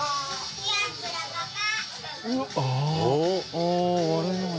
ああ割れない。